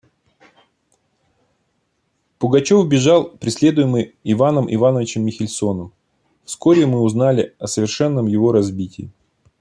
Пугачев бежал, преследуемый Иваном Ивановичем Михельсоном. Вскоре узнали мы о совершенном его разбитии.